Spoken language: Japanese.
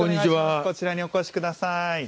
こちらにお越しください。